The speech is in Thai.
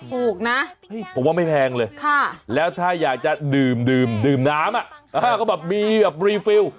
ถูกนะเห้ยผมว่าไม่แพงเลยแล้วถ้าอยากจะดื่มดื่มน้ำมีแบบรีฟิล